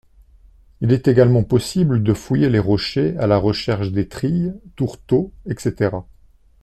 Il est également possible de fouiller les rochers à la recherche d'étrilles, tourteaux, etc.